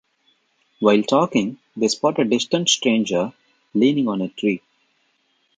While talking, they spot a distant stranger leaning on a tree.